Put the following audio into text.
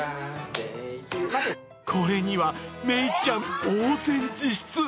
これにはめいちゃん、ぼう然自失。